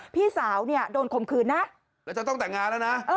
พี่สาวเนี่ยโดนคมคืนนะแล้วจะต้องแต่งงานแล้วนะ